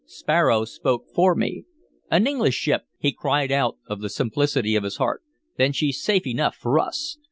Sparrow spoke for me. "An English ship!" he cried out of the simplicity of his heart. "Then she's safe enough for us!